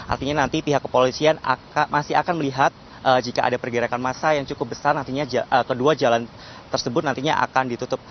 artinya nanti pihak kepolisian masih akan melihat jika ada pergerakan masa yang cukup besar nantinya kedua jalan tersebut nantinya akan ditutup